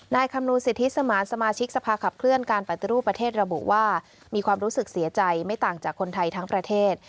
คำนวณสิทธิสมานสมาชิกสภาขับเคลื่อนการปฏิรูปประเทศระบุว่ามีความรู้สึกเสียใจไม่ต่างจากคนไทยทั้งประเทศ